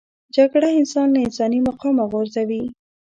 جګړه انسان له انساني مقامه غورځوي